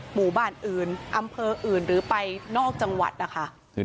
หมู่บ้านอื่นอำเภออื่นหรือไปนอกจังหวัดนะคะ